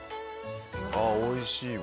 あっおいしいわ。